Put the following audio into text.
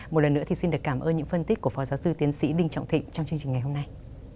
một lần nữa thì xin được cảm ơn những phân tích của phó giáo sư tiến sĩ đinh trọng thịnh trong chương trình ngày hôm nay